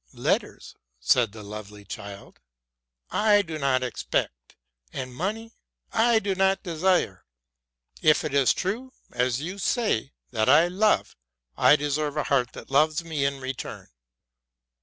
'* Let ters,'' said the lov ely child, I do not expect ; and money I do not desire. If it is true, as you say, that I love, I de serve a heart that loves me in return.